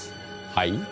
はい？